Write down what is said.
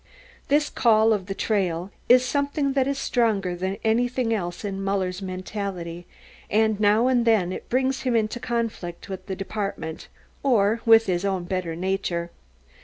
This call of the trail is something that is stronger than anything else in Muller's mentality, and now and then it brings him into conflict with the department,... or with his own better nature.